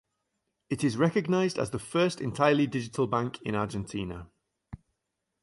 It is recognized as the first entirely digital bank in Argentina.